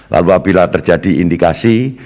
lalu apabila terjadi indikasi